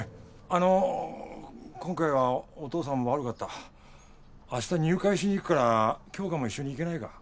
あの今回はお父さんも悪かった明日入会しに行くから杏花も一緒に行けないか？